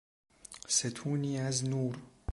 ستونی از نور